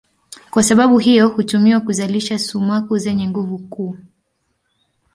Kwa sababu hiyo hutumiwa kuzalisha sumaku zenye nguvu kuu.